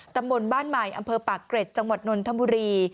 ตำบลบ้านใหม่อำเภอปากเกร็ดจังหวัดนนทบุรี